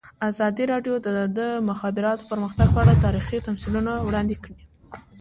ازادي راډیو د د مخابراتو پرمختګ په اړه تاریخي تمثیلونه وړاندې کړي.